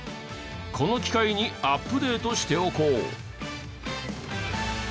この機会にアップデートしておこう。